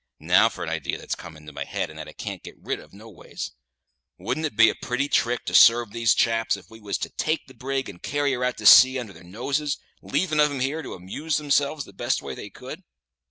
Now for an idee that's come into my head, and that I can't get rid of noways. Wouldn't it be a pretty trick to sarve these chaps, if we was to take the brig and carry her out to sea under their noses, leavin' of 'em here to amuse themselves the best way they could?"